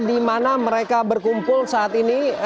di mana mereka berkumpul saat ini